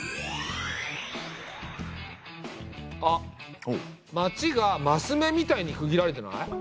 あっ町がマス目みたいに区切られてない？